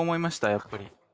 やっぱり。